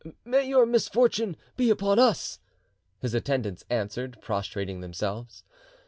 "May your misfortune be upon us!" his attendants answered, prostrating themselves.